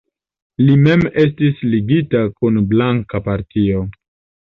Li mem estis ligita kun blanka partio.